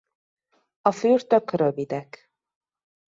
A fürtök rövidek.